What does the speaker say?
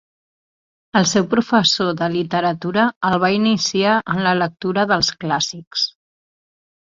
El seu professor de literatura el va iniciar en la lectura dels clàssics.